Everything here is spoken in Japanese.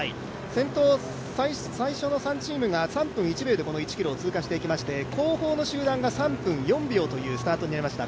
先頭、最初の３チームが３分１秒で通過していきまして後方の集団が３分４秒というスタートになりました。